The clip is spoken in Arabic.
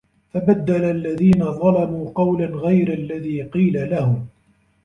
فَبَدَّلَ الَّذِينَ ظَلَمُوا قَوْلًا غَيْرَ الَّذِي قِيلَ لَهُمْ